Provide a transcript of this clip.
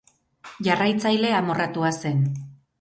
Jarraitzaile amorratua zen.